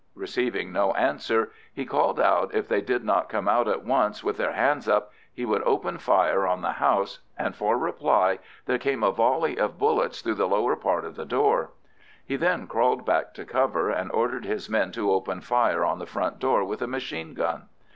Receiving no answer, he called out that if they did not come out at once with their hands up, he would open fire on the house, and for reply there came a volley of bullets through the lower part of the door. He then crawled back to cover, and ordered his men to open fire on the front door with a machine gun.